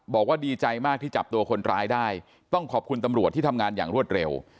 บอกว่าดีใจมากที่จับตัวคนร้ายได้ต้องขอบคุณตำรวจที่ทำงานอย่างรวดเร็ว